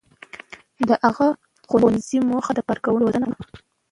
• د هغه ښوونځي موخه د کارکوونکو روزنه وه.